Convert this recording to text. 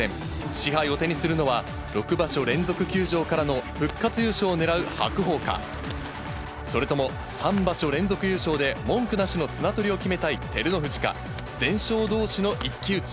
賜杯を手にするのは６場所連続休場からの復活優勝を狙う白鵬か、それとも３場所連続優勝で文句なしの綱取りを決めたい照ノ富士か、全勝どうしの一騎打ち。